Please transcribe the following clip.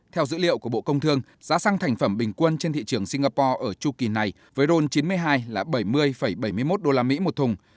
theo dữ liệu của bộ công thương giá xăng thành phẩm bình quân trên thị trường singapore ở chu kỳ này với rôn chín mươi hai là bảy mươi bảy mươi một usd một thùng